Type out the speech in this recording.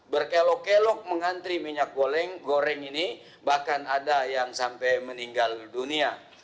berkelok kelok mengantri minyak goreng ini bahkan ada yang sampai meninggal dunia